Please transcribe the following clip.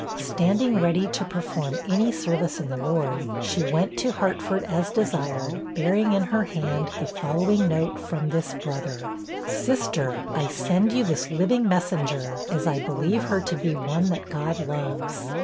Standing ready to perform any service in the Lord, she went to Hartford as desired, bearing in her hand the following note from this brother: 'SISTER, I send you this living messenger, as I believe her to be one that God loves.